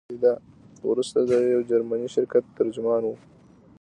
وروسته د یو جرمني شرکت ترجمان وو.